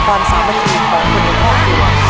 ความสามารถรับชมของคุณให้รอดจากวิกฤต